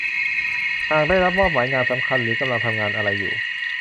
หากได้รับมอบหมายงานสำคัญ หรือกำลังทำงานอะไรอยู่